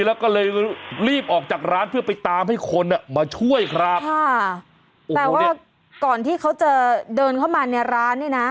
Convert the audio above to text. แล้วก็เลยรีบออกจากร้านเพื่อไปตามให้คนอ่ะมาช่วยครับค่ะแต่ว่าก่อนที่เขาจะเดินเข้ามาในร้านเนี่ยนะ